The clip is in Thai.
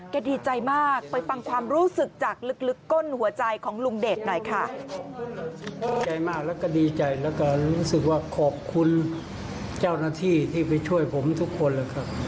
ดีใจมากไปฟังความรู้สึกจากลึกก้นหัวใจของลุงเดชหน่อยค่ะ